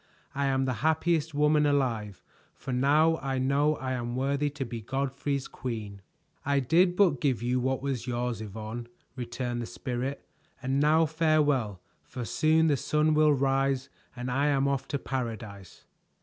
I am the happiest woman alive, for now I know I am worthy to be Godfrey's queen." "I did but give you what was yours, Yvonne," returned the Spirit, "and now farewell, for soon the sun will rise and I am off to paradise."